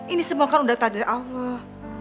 ini semua kan udah tanda dari allah ya